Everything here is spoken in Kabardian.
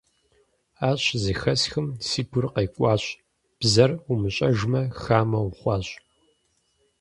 Ар щызэхэсхым, си гур къекӀуащ, бзэр умыщӀэжмэ, хамэ ухъуащ.